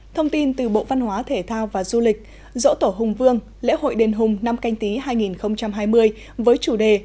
thông tin từ bộ văn hóa thể thao và du lịch dỗ tổ hùng vương lễ hội đền hùng năm canh tí hai nghìn hai mươi với chủ đề